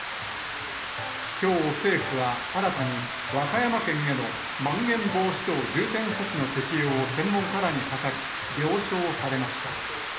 きょう政府は、新たに和歌山県へのまん延防止等重点措置の適用を専門家らに諮り、了承されました。